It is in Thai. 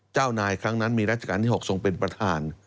เจ้านายครั้งนั้นมีราชการที่๖ทรงเป็นประธาน